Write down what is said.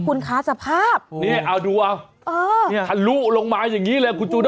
คุณคะสภาพนี่เอาดูเอาเนี่ยทะลุลงมาอย่างนี้เลยคุณจูด